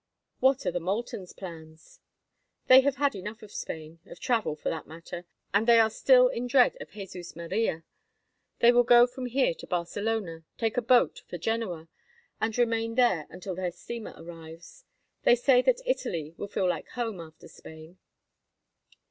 "What are the Moultons' plans?" "They have had enough of Spain—of travel, for that matter—and they are still in dread of Jesus Maria. They will go from here to Barcelona, take a boat for Genoa, and remain there until their steamer arrives. They say that Italy will feel like home after Spain."